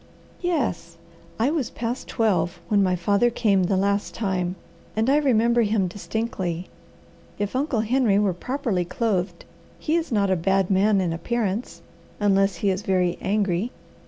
"Yes. I was past twelve when my father came the last time, and I remember him distinctly. If Uncle Henry were properly clothed, he is not a bad man in appearance, unless he is very angry.